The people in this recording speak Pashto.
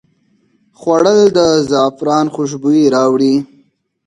خوړل د زعفران خوشبويي راوړي